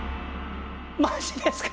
マジですか？